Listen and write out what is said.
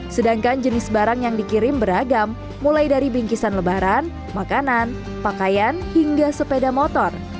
sedangkan jenis barang yang dikirim beragam mulai dari bingkisan lebaran makanan pakaian hingga sepeda motor